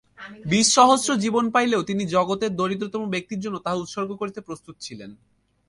বিশ সহস্র জীবন পাইলেও তিনি জগতের দরিদ্রতম ব্যক্তির জন্য তাহা উৎসর্গ করিতে প্রস্তুত ছিলেন।